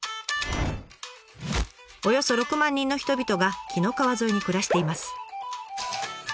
およそ６万人の人々が紀の川沿いに暮らしています。